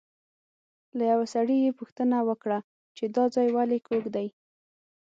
له یوه سړي یې پوښتنه وکړه چې دا ځای ولې کوږ دی.